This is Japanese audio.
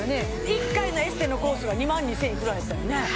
１回のエステのコースが２万２千いくらやったよね